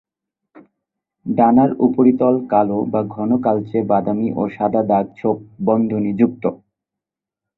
ডানার উপরিতল কালো বা ঘন কালচে বাদামি ও সাদা দাগ-ছোপ-বন্ধনী যুক্ত।